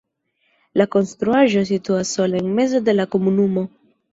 La konstruaĵo situas sola en mezo de la komunumo.